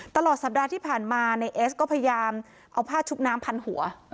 ตลอดสัปดาห์ที่ผ่านมานายเอสก็พยายามเอาผ้าชุบน้ำพันหัว